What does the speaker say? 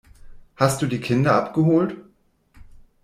Hast du die Kinder abgeholt.